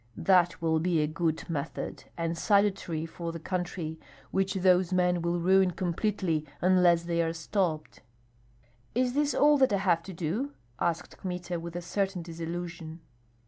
That will be a good method, and salutary for the country, which those men will ruin completely unless they are stopped." "Is this all that I have to do?" asked Kmita, with a certain disillusion.